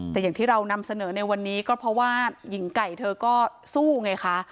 แต่อย่างที่เรานำเสนอในวันนี้ก็เพราะว่าหญิงไก่เธอก็สู้ไงคะ